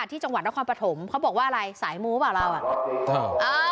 ที่จังหวัดนครปฐมเขาบอกว่าอะไรสายมู้เปล่าเราอ่ะ